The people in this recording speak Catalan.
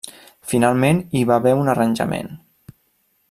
Finalment hi va haver un arranjament.